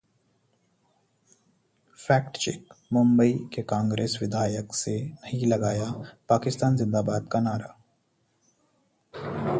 fact check: Mumbai के कांग्रेस विधायक ने नहीं लगाया 'पाकिस्तान जिंदाबाद' का नारा